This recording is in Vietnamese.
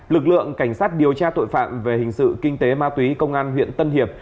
lực lượng cảnh sát điều tra tội phạm về hình sự kinh tế ma túy công an huyện tân hiệp